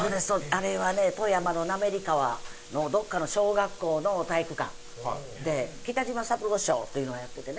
あれはね富山の滑川のどっかの小学校の体育館で北島三郎ショーというのをやっててね